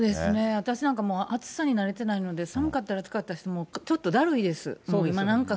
私なんか暑さに慣れてないので、寒かったり暑かったりして、ちょっとだるいです。